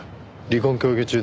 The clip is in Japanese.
離婚協議中？